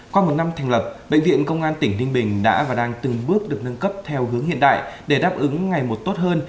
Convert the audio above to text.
qua một năm thành lập bệnh viện công an tỉnh ninh bình đã và đang từng bước được nâng cấp theo hướng hiện đại để đáp ứng ngày một tốt hơn